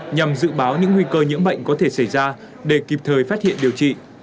nhằm dự báo những nguy cơ nhiễm bệnh có thể xảy ra để kịp thời phát hiện điều trị